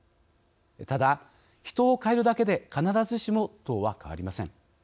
ただ、人を変えるだけで必ずしも党は変わりません。